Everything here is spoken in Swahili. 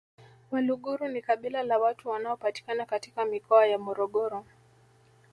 Waluguru ni kabila la watu wanaopatikana katika Mikoa ya Morogoro